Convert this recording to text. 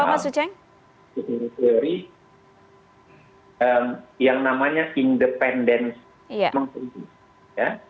kita kan mengenal di teori yang namanya independensi